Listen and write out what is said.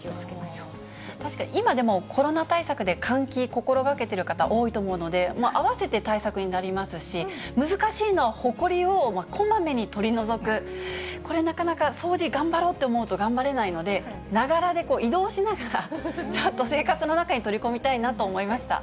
確かに、今でも、コロナ対策で換気、心がけてる方、多いと思うので、併せて対策になりますし、難しいのは、ホコリをこまめに取り除く、これなかなか、掃除、頑張ろうって思うと、頑張れないので、ながらで、移動しながら、ちょっと生活の中に取り込みたいなと思いました。